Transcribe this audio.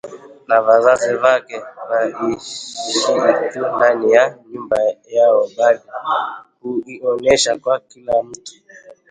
na wazazi wake haiishii tu ndani ya nyumba yao bali huionesha kwa kila mtu